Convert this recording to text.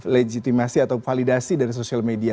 legitimasi atau validasi dari sosial media